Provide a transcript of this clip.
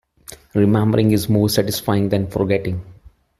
Remembering is more satisfying than forgetting.